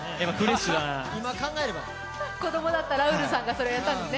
子供だったラウールさんがそれをやったんですね。